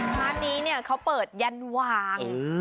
ร้านนี้เขาเปิดยันวาง